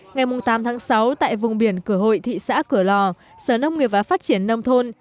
ngày tám tháng sáu tại vùng biển cửa hội thị xã cửa lò sở nông nghiệp và phát triển nông thôn